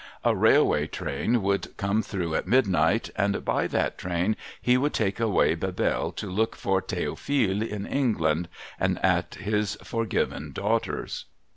A railway train would come through at midnight, and by that train he would take away Bebelle to look for I'he'ophile in England and at his forgiven daughter's.